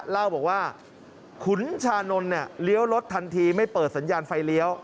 เล่าบอกว่าขุนชานนท์เนี่ยเลี้ยวรถทันทีไม่เปิดสัญญาณไฟเลี้ยว